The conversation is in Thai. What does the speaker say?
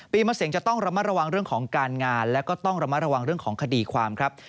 มะเสงจะต้องระมัดระวังเรื่องของการงานแล้วก็ต้องระมัดระวังเรื่องของคดีความครับ